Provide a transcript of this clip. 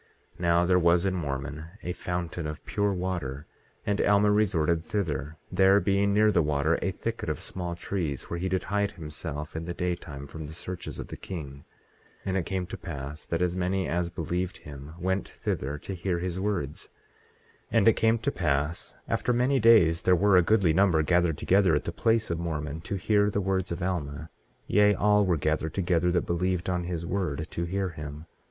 18:5 Now, there was in Mormon a fountain of pure water, and Alma resorted thither, there being near the water a thicket of small trees, where he did hide himself in the daytime from the searches of the king. 18:6 And it came to pass that as many as believed him went thither to hear his words. 18:7 And it came to pass after many days there were a goodly number gathered together at the place of Mormon, to hear the words of Alma. Yea, all were gathered together that believed on his word, to hear him.